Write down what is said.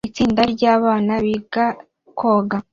Itsinda ryabana biga koga